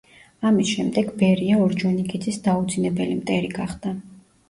ამის შემდეგ ბერია ორჯონიკიძის დაუძინებელი მტერი გახდა.